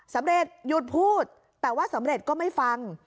สำเร็จหยุดพูดแต่ว่าสำเร็จก็ไม่ฟัง